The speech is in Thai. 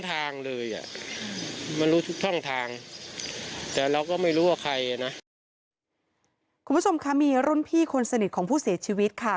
ทุกท่องทางแต่เราก็ไม่รู้ว่าใครน่ะคุณผู้ชมค่ะมีร่วมพี่คนสนิทของผู้เสียชีวิตค่ะ